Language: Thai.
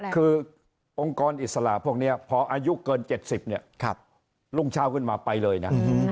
คือองค์กรอิสระพวกนี้พออายุเกิน๗๐เนี่ยรุ่งเช้าขึ้นมาไปเลยนะ